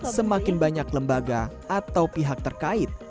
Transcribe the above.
semakin banyak lembaga atau pihak terkait